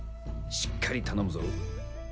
しっかり頼むぞ。